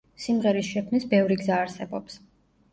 სიმღერის შექმნის ბევრი გზა არსებობს.